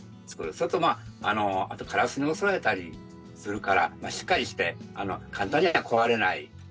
それとまあカラスに襲われたりするからしっかりして簡単には壊れない